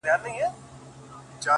اوس چي مخ هرې خوا ته اړوم الله وينم’